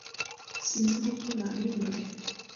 Sinzi kuko ntari mpari.